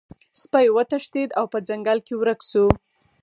سپی وتښتید او په ځنګل کې ورک شو.